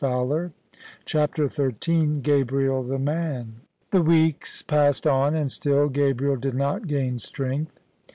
I 172 1 CHAPTER XIII GABRIEL THE MAN The weeks passed on, and still Gabriel did not gain strength.